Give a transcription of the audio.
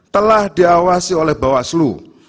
telah diawasi oleh bawaslu